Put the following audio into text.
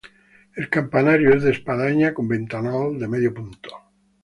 El campanario es de espadaña con ventanal de medio punto.